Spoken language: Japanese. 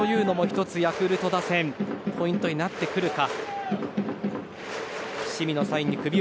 １つ、ヤクルト打線ポイントになってくるか。